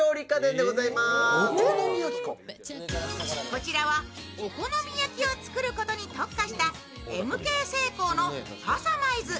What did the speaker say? こちらはお好み焼きを作ることに特化したハサマイズ。